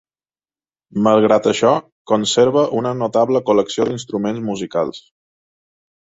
Malgrat això, conserva una notable col·lecció d'instruments musicals.